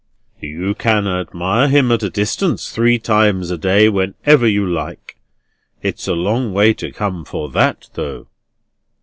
"You can admire him at a distance three times a day, whenever you like. It's a long way to come for that, though."